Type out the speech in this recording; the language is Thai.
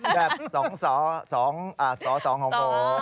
แบบ๒ส๒ของผม